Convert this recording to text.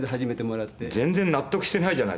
全然納得してないじゃないですか。